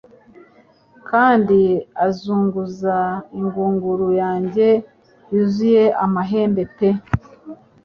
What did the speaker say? Kandi azunguza ingunguru yanjye yuzuye amahembe pe